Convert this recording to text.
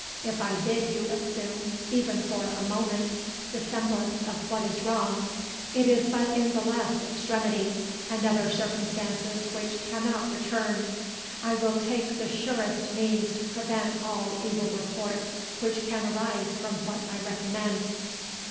If I bid you assume, even for a moment, the semblance of what is wrong, it is but in the last extremity, and under circumstances which cannot return—I will take the surest means to prevent all evil report which can arise from what I recommend."